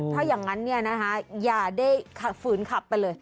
ถ้าอย่างนั้นเนี่ยอย่าได้เหือนขับไปเลย